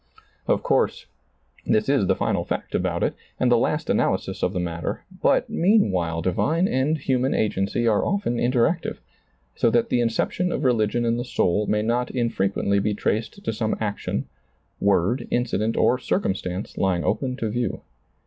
Of course, this is the final fact about it and the last analysis of the matter, but meanwhile divine and human agency are often interactive, so that the inception of religion in the soul may not infre quently be traced to some action, word, incident or circumstance lying open to view.